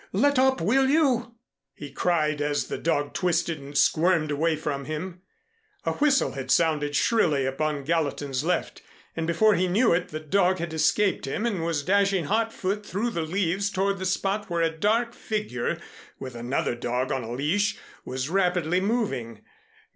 Let up, will you?" he cried, as the dog twisted and squirmed away from him. A whistle had sounded shrilly upon Gallatin's left and before he knew it the dog had escaped him and was dashing hotfoot through the leaves toward the spot where a dark figure with another dog on a leash was rapidly moving.